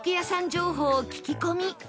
情報を聞き込み